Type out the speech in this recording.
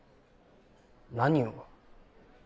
何を？